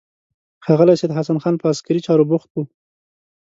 ښاغلی سید حسن خان په عسکري چارو بوخت و.